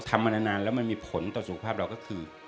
มานานแล้วมันมีผลต่อสุขภาพเราก็คือ